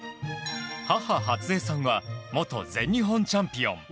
母・初江さんは元全日本チャンピオン。